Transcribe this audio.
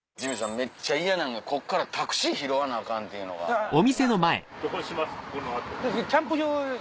めっちゃ嫌なんがこっからタクシー拾わなアカンっていうのが面倒くさい。